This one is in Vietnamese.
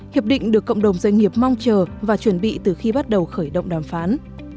hiệp định được cộng đồng doanh nghiệp mong chờ và chuẩn bị từ khi bắt đầu khởi động đàm phán